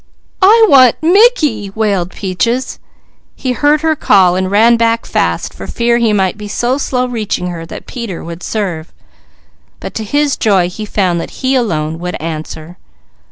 "I want Mickey!" wailed Peaches. He heard her call and ran back fast for fear he might be so slow reaching her that Peter would serve. But to his joy he found that he alone would answer.